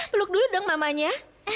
peluk dulu dong mamanya